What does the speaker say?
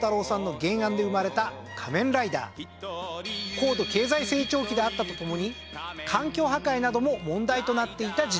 高度経済成長期であったとともに環境破壊なども問題となっていた時代。